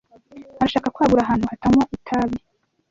Arashaka kwagura ahantu hatanywa itabi.